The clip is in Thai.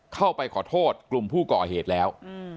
เข้าไปขอโทษกลุ่มผู้ก่อเหตุแล้ว